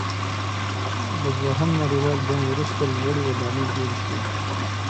د دویم نړیوال جنګ وروسته لوړې ودانۍ جوړې شوې.